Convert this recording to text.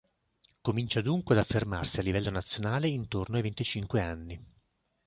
Comincia dunque ad affermarsi a livello nazionale intorno ai venticinque anni.